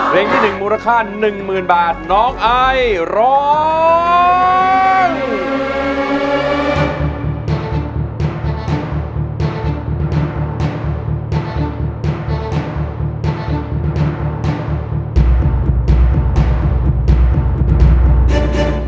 เร็งที่หนึ่งมูลค่าหนึ่งหมื่นบาทน้องไอร้อง